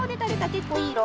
けっこういいいろ。